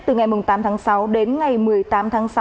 từ ngày tám tháng sáu đến ngày một mươi tám tháng sáu